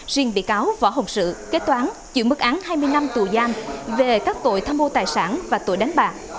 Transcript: riêng bị cáo võ hồng sự kế toán chịu mức án hai mươi năm tù giam về các tội tham mô tài sản và tội đánh bạc